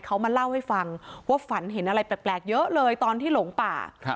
เขามาเล่าให้ฟังว่าฝันเห็นอะไรแปลกเยอะเลยตอนที่หลงป่า